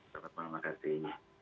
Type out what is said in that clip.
selamat malam makasih